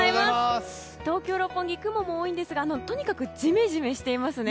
東京・六本木、雲も多いんですがとにかくジメジメしていますね。